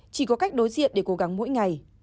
chỉ có cách đối diện để cố gắng mỗi ngày